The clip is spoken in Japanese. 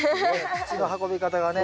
土の運び方がね。